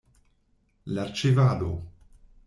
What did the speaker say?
La ĉevalo.